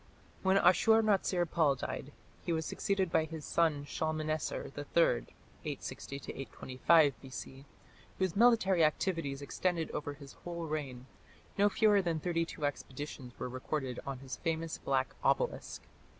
When Ashur natsir pal died, he was succeeded by his son Shalmaneser III (860 825 B.C.), whose military activities extended over his whole reign. No fewer than thirty two expeditions were recorded on his famous black obelisk.